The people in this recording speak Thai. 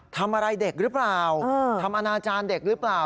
ทำอะไรเด็กหรือเปล่าทำอนาจารย์เด็กหรือเปล่า